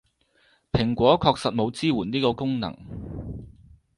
蘋果確實冇支援呢個功能